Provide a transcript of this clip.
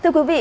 thưa quý vị